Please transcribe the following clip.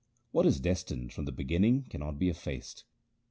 What is destined from the beginning cannot be effaced.